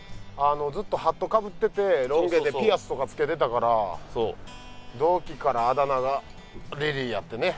ずっとハットかぶっててロン毛でピアスとか着けてたから同期からあだ名がリリーやってね。